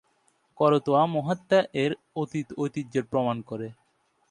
করতোয়া মাহাত্ম্য এর অতীত ঐতিহ্যের প্রমাণ করে।